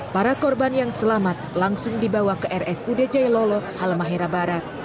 para korban yang selamat langsung dibawa ke rsud jailolo halmahera barat